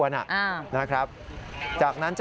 ตอนแรกก็ไม่แน่ใจนะคะ